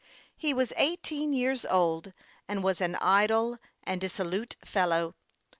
He was eighteen years old, and was an idle and dissolute fellow.